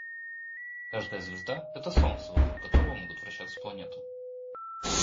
Каждая звезда - это солнце, вокруг которого могут вращаться планеты.